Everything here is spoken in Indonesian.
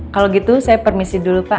kalau gitu saya permisi dulu pak